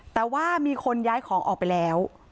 แต่ว่ามีคนย้ายของออกไปแล้ว